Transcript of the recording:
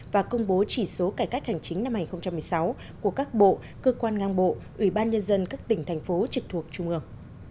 và công bố chỉ số cải cách hành chính năm hai nghìn một mươi sáu của các bộ cơ quan ngang bộ ủy ban nhân dân các tỉnh thành phố trực thuộc trung ương